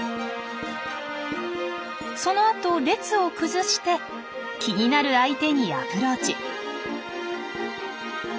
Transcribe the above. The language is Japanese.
そのあと列を崩して気になる相手にアプローチ。